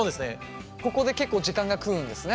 ここで結構時間が食うんですね